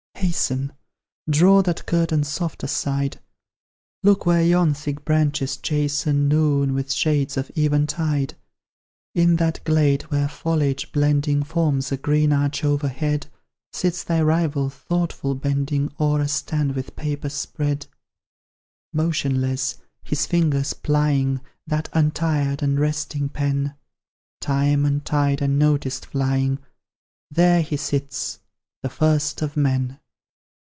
Hasten, Draw that curtain soft aside, Look where yon thick branches chasten Noon, with shades of eventide. In that glade, where foliage blending Forms a green arch overhead, Sits thy rival, thoughtful bending O'er a stand with papers spread Motionless, his fingers plying That untired, unresting pen; Time and tide unnoticed flying, There he sits the first of men!